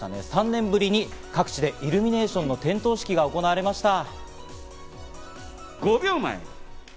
３年ぶりに各地でイルミネーションの点灯式が行われました。